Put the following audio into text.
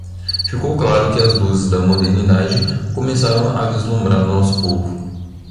Ficou claro que as luzes da modernidade começaram a vislumbrar nosso povo.